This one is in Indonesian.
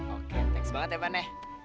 oke next banget ya pane